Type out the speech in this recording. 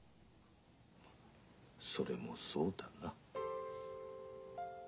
まそれもそうだな。